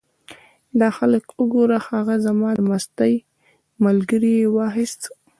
دا خلک وګوره! هغه زما د مستۍ ملګری یې واخیست.